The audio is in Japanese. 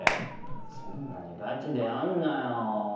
そんなにガチでやんなよ。